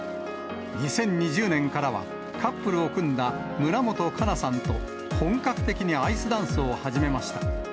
２０２０年からは、カップルを組んだ村元哉中さんと本格的にアイスダンスを始めました。